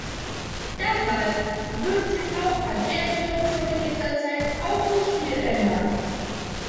Deshalb wird sich an der Situation in nächster Zeit auch nicht viel ändern.